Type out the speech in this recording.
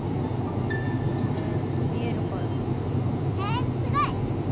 余命見えるからへぇすごい！